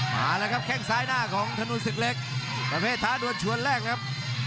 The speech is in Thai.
มาแล้วครับแข้งซ้ายหน้าของธนูลศึกเล็กประเภทท้าดวนชวนแรกครับ